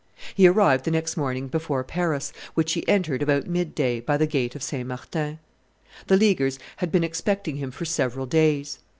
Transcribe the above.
He arrived the next morning before Paris, which he entered about midday by the gate of St. Martin. The Leaguers had been expecting him for several days.